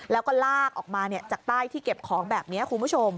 แล้วก็ลากออกมาจากใต้ที่เก็บของแบบนี้คุณผู้ชม